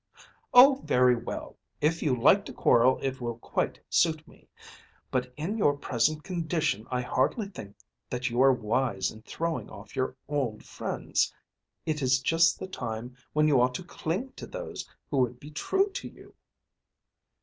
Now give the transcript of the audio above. "Oh, very well! If you like to quarrel it will quite suit me. But in your present condition I hardly think that you are wise in throwing off your old friends. It is just the time when you ought to cling to those who would be true to you."